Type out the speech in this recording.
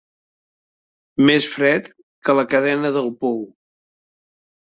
Més fred que la cadena del pou.